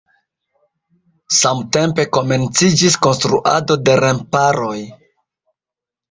Samtempe komenciĝis konstruado de remparoj.